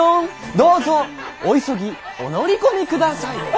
どうぞお急ぎお乗り込みください」。